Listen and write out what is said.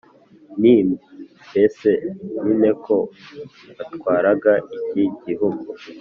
nti: “mbese nyine ko watwaraga iki gihugu